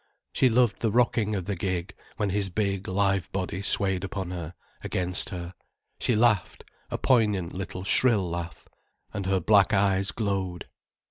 She loved the rocking of the gig, when his big, live body swayed upon her, against her. She laughed, a poignant little shrill laugh, and her black eyes glowed.